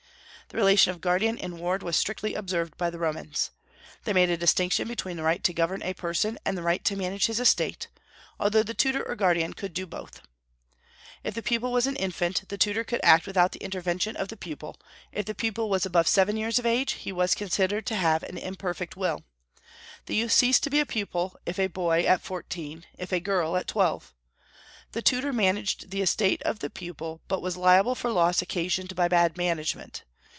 The relation of guardian and ward was strictly observed by the Romans. They made a distinction between the right to govern a person and the right to manage his estate, although the tutor or guardian could do both. If the pupil was an infant, the tutor could act without the intervention of the pupil; if the pupil was above seven years of age, he was considered to have an imperfect will. The youth ceased to be a pupil, if a boy, at fourteen; if a girl, at twelve. The tutor managed the estate of the pupil, but was liable for loss occasioned by bad management.